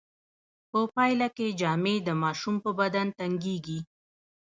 په پایله کې جامې د ماشوم په بدن تنګیږي.